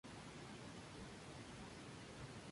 Gauss lo tenía en gran estima y lo denominó el "teorema áureo".